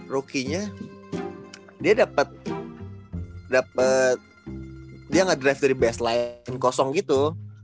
rookie nya dia dapet dapet dia ngedrive dari baseline kosong gitu